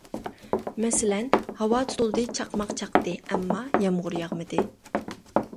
مەسىلەن: ھاۋا تۇتۇلدى، چاقماق چاقتى، ئەمما يامغۇر ياغمىدى.